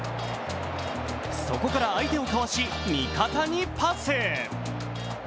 そこから相手をかわし味方にパス。